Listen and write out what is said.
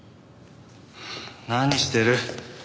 何してる？